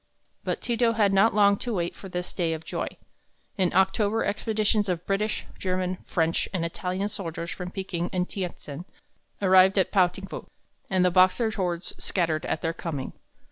But Ti to had not long to wait for this day of joy In October expeditions of British, German, French, and Italian soldiers from Peking and Tientsin arrived at Pao ting fu, and the Boxer hordes scattered at their coming.